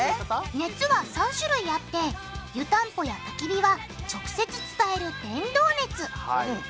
熱は３種類あって湯たんぽやたき火は直接伝える「伝導熱」。